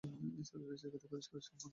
এছাড়াও রয়েছে একাধিক পুরস্কার ও সম্মাননা।